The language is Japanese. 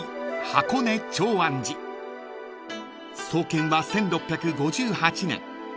［創建は１６５８年］